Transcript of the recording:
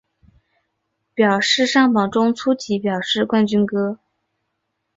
表示上榜中粗体表示冠军歌